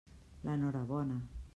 L'enhorabona.